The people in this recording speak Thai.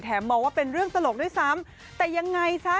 มองว่าเป็นเรื่องตลกด้วยซ้ำแต่ยังไงซะ